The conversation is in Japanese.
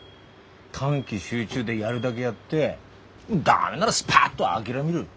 短期集中でやるだげやって駄目ならスパッと諦める。